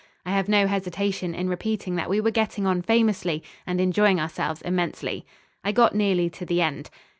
I have no hesitation in repeating that we were getting on famously and enjoying ourselves immensely. I got nearly to the end